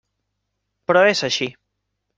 Però és així.